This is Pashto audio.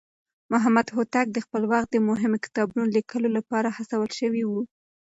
محمد هوتک د خپل وخت د مهمو کتابونو ليکلو لپاره هڅول شوی و.